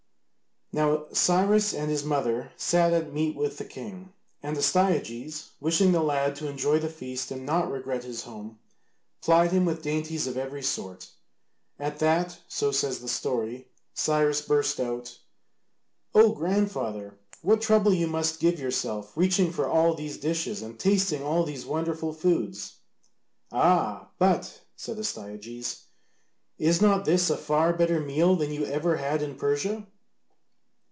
Now Cyrus and his mother sat at meat with the king, and Astyages, wishing the lad to enjoy the feast and not regret his home, plied him with dainties of every sort. At that, so says the story, Cyrus burst out, "Oh, grandfather, what trouble you must give yourself reaching for all these dishes and tasting all these wonderful foods!" "Ah, but," said Astyages, "is not this a far better meal than you ever had in Persia?"